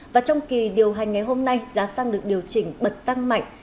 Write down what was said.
và trong kỳ điều hành ngày hôm nay giá xăng được điều chỉnh bật tăng mạnh